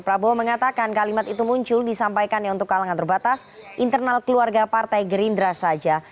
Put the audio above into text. prabowo mengatakan kalimat itu muncul disampaikannya untuk kalangan terbatas internal keluarga partai gerindra saja